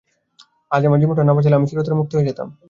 আজ আমার জীবনটা না বাঁচালে আমি চিরতরে মুক্ত হয়ে যেতাম।